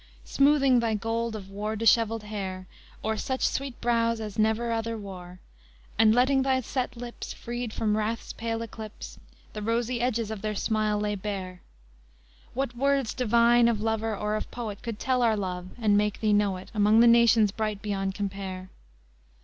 Smoothing thy gold of war dishevelled hair O'er such sweet brows as never other wore, And letting thy set lips, Freed from wrath's pale eclipse, The rosy edges of their smile lay bare, What words divine of lover or of poet Could tell our love and make thee know it, Among the Nations bright beyond compare?